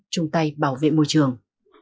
chung tay bảo vệ môi trường